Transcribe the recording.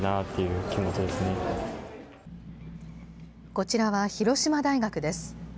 こちらは広島大学です。